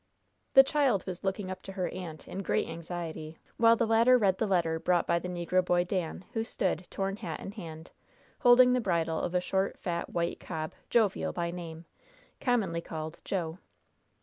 The child was looking up to her aunt in great anxiety while the latter read the letter brought by the negro boy, Dan, who stood, torn hat in hand, holding the bridle of a short, fat, white cob, Jovial by name, commonly called "Jo."